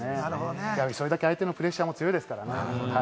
それだけ相手のプレッシャーも強いですからね。